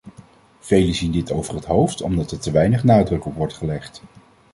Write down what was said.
Velen zien dit over het hoofd omdat er te weinig nadruk op wordt gelegd.